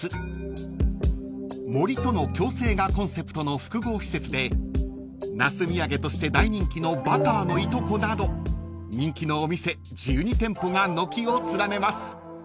［森との共生がコンセプトの複合施設で那須土産として大人気のバターのいとこなど人気のお店１２店舗が軒を連ねます］